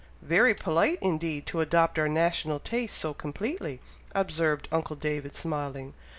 '" "Very polite, indeed, to adopt our national taste so completely," observed uncle David, smiling.